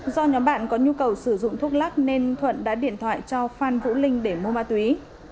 do nhóm bạn có nhu cầu sử dụng thuốc lắc nên thuận đã điện thoại cho phan vũ linh để mua ma túy